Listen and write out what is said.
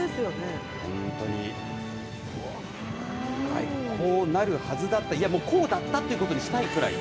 本当に、こうなるはずだったこうだったということにしたいくらい。